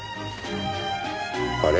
あれ？